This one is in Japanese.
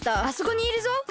あそこにいるぞ！